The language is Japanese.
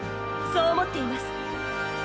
そう思っています。